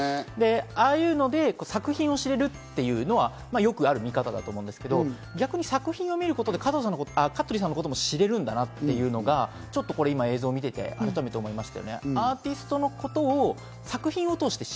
ああいうので作品を知れるっていうのはよくある見方だと思うんですけど、作品を見ることで香取さんのことも知れるんだなっていうのが、映像を見ていて改めて思いました。